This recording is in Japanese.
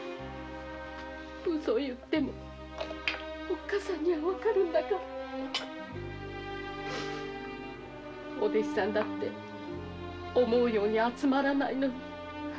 ウソをついてもおっ母さんには分かるんだからお弟子さんだって思うように集まらないのに。